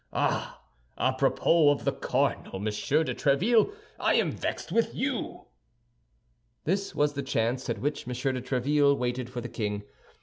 Ah! à propos of the cardinal, Monsieur de Tréville, I am vexed with you!" This was the chance at which M. de Tréville waited for the king.